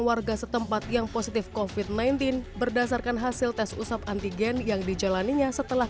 warga setempat yang positif kofit sembilan belas berdasarkan hasil tes usap antigen yang dijalaninya setelah